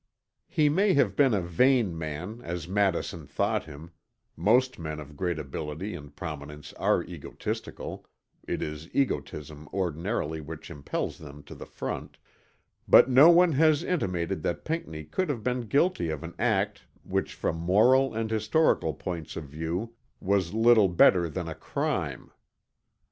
He may have been a vain man as Madison thought him (most men of great ability and prominence are egotistical; it is egotism ordinarily which impels them to the front) but no one has intimated that Pinckney could have been guilty of an act which from moral and historical points of view was little better than a crime.